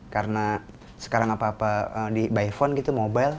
karena sekarang apa apa di by phone gitu mobile